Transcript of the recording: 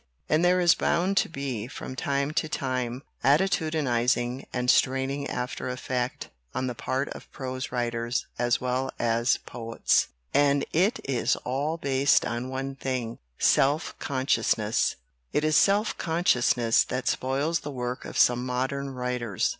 And there is bound to be, from time to time, attitudinizing and straining after effect on the part of prose writers as well as poets. And it is all based on one thing self consciousness. 79 LITERATURE IN THE MAKING It is self consciousness that spoils the work of some modern writers."